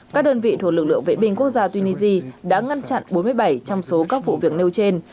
các đơn vị thuộc lực lượng vệ binh quốc gia tunisia đã ngăn chặn bốn mươi bảy trong số các vụ việc nêu trên